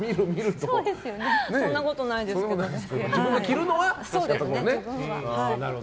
そんなことないですけど。